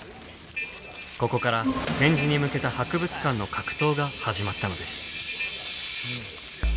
ここから展示に向けた博物館の格闘が始まったのです。